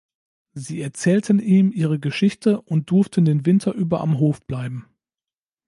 Sie erzählten ihm ihre Geschichte und durften den Winter über am Hof bleiben.